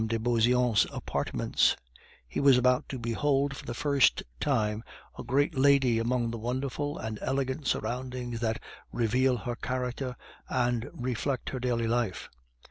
de Beauseant's apartments; he was about to behold for the first time a great lady among the wonderful and elegant surroundings that reveal her character and reflect her daily life.